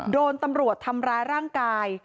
โดนตำรวจทำร้ายร่างกาย